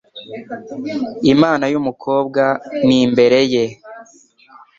Imana y'umukobwa ni imbere ye